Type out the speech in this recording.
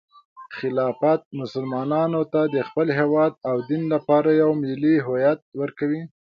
خلافت مسلمانانو ته د خپل هیواد او دین لپاره یو ملي هویت ورکوي.